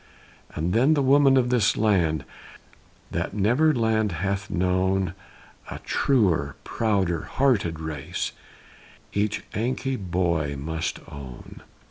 And then the women of this land, That never land hath known A truer, prouder hearted race, Each Yankee boy must own.